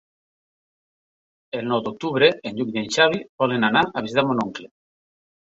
El nou d'octubre en Lluc i en Xavi volen anar a visitar mon oncle.